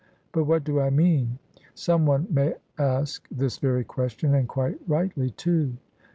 But what do I mean? Some one may ask this very question, and quite rightly, too.